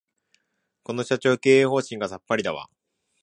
この社長、経営方針がさっぱりだわ